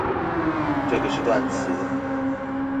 這個是斷詞